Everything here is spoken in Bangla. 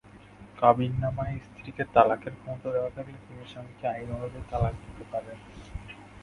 কাবিননামায় স্ত্রীকে তালাকের ক্ষমতা দেওয়া থাকলে তিনি স্বামীকে আইন অনুযায়ী তালাক দিতে পারেন।